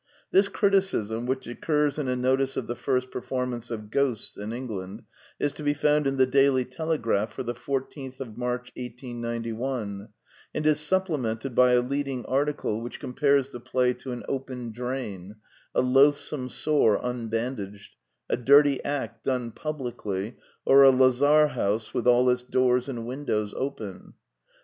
This criticism, which occurs in a notice of the first performance of Ghosts in England, is to be found in The Daily Telegraph for the 14th March 1891, and is sup plemented by a leading article which compares the play to an open drain, a loathsome sore un bandaged, a dirty act done publicly, or a lazar house with all its doors and windows open.